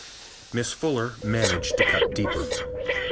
Miss Fuller managed to cut deeper.